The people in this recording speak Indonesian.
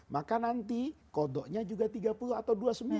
maka nanti kodoknya juga tiga puluh atau dua puluh sembilan